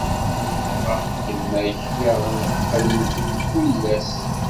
Ɣef ddemma-k i aɣ-neqqen mkul ass.